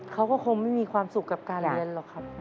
เขาก็คงไม่มีความสุขกับการเรียนหรอกครับ